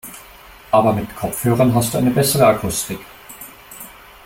Aber mit Kopfhörern hast du eine bessere Akustik.